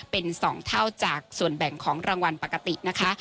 เป็น๒เท่าจากส่วนแบ่งของรางวัลปกตินะคะ